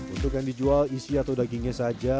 untuk yang dijual isi atau dagingnya saja